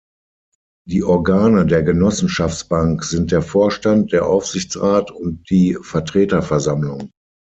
Die Organe der Genossenschaftsbank sind der Vorstand, der Aufsichtsrat und die Vertreterversammlung.